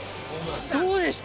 どうでした？